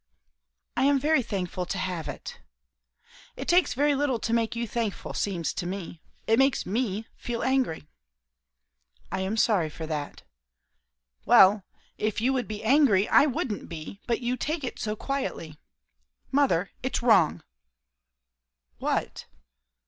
"I am very thankful to have it." "It takes very little to make you thankful, seems to me. It makes me feel angry." "I am sorry for that." "Well, if you would be angry, I wouldn't be; but you take it so quietly. Mother, it's wrong!" "What?"